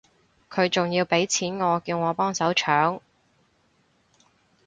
佢仲要畀錢我叫我幫手搶